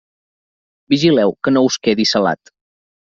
Vigileu que no us quedi salat.